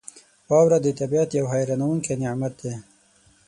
• واوره د طبعیت یو حیرانونکی نعمت دی.